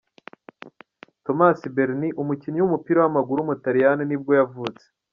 Tommaso Berni, umukinnyi w’umupira w’amaguru w’umutaliyani nibwo yavutse.